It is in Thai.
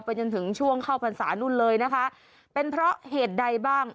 จนถึงช่วงเข้าพรรษานู่นเลยนะคะเป็นเพราะเหตุใดบ้าง